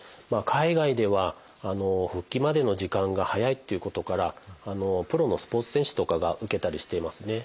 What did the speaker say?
海外では復帰までの時間が早いっていうことからプロのスポーツ選手とかが受けたりしていますね。